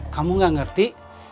kamu gak ngerti